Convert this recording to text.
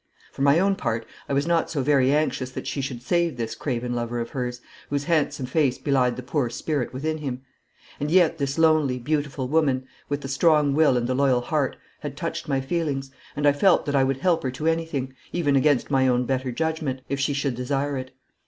For my own part I was not so very anxious that she should save this craven lover of hers, whose handsome face belied the poor spirit within him. And yet this lonely beautiful woman, with the strong will and the loyal heart, had touched my feelings, and I felt that I would help her to anything even against my own better judgment, if she should desire it.